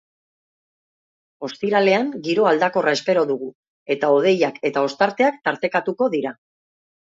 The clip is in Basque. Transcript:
Ostiralean, giro aldakorra espero dugu, eta hodeiak eta ostarteak tartekatuko dira.